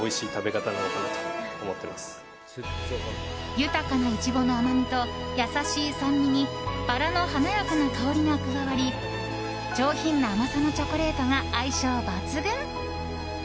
豊かなイチゴの甘みと優しい酸味にバラの華やかな香りが加わり上品な甘さのチョコレートが相性抜群。